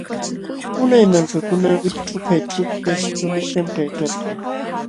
Unay malkakuna wikćhu kayćhuupis tuqnishqam kaykalkan.